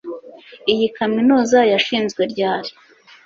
Iyi kaminuza yashinzwe ryari